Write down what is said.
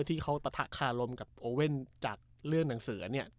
ที่เขาปะทะคารมกับโอเว่นจากเรื่องหนังสือเนี่ย